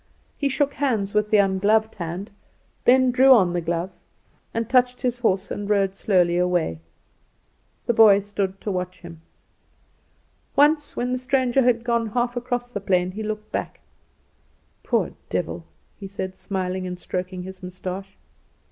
He shook hands with the ungloved hand; then drew on the glove, and touched his horse, and rode slowly away. The boy stood to watch him. Once when the stranger had gone half across the plain he looked back. "Poor devil," he said, smiling and stroking his moustache.